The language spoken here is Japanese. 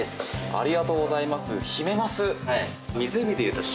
ありがとうございます。